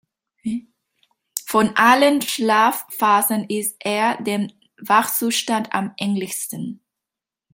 Von allen Schlafphasen ist er dem Wachzustand am ähnlichsten.